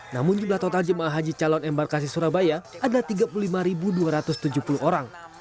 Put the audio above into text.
namun jumlah total jemaah haji calon embarkasi surabaya adalah tiga puluh lima dua ratus tujuh puluh orang